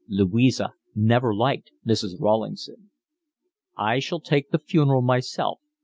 Louisa never liked Mrs. Rawlingson. "I shall take the funeral myself.